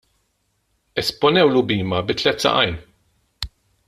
Esponewlu bhima bi tliet saqajn.